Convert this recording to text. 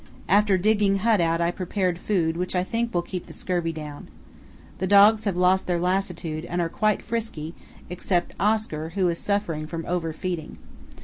After digging hut out I prepared food which I think will keep the scurvy down. The dogs have lost their lassitude and are quite frisky, except Oscar, who is suffering from over feeding.